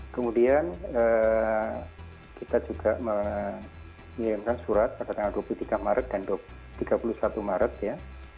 kemudian kita juga mengirimkan surat pada tanggal dua puluh tiga maret dan tiga puluh satu maret ya